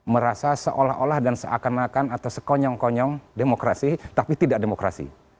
merasa seolah olah dan seakan akan atau sekonyong konyong demokrasi tapi tidak demokrasi